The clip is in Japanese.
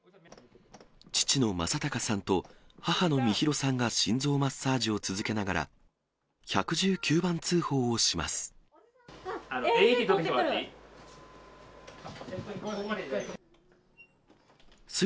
父の正隆さんと母の美弘さんが心臓マッサージを続けながら、１１９番通報をします。